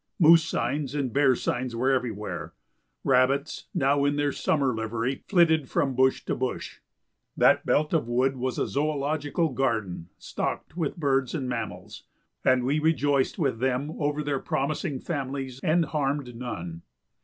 Moose signs and bear signs were everywhere; rabbits, now in their summer livery, flitted from bush to bush. That belt of wood was a zoological garden stocked with birds and mammals. And we rejoiced with them over their promising families and harmed none.